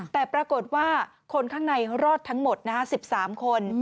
แต่ปรากฏว่าคนข้างในรอดทั้งหมด๑๓คน